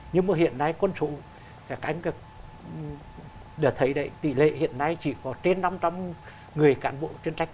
nhưng mà hiện nay con số đã thấy tỷ lệ hiện nay chỉ có trên năm trăm linh người cán bộ chuyên trách